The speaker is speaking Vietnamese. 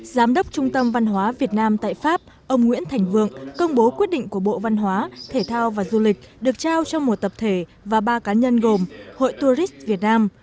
giám đốc trung tâm văn hóa việt nam tại pháp ông nguyễn thành vượng công bố quyết định của bộ văn hóa thể thao và du lịch được trao cho một tập thể và ba cá nhân gồm hội tourist việt nam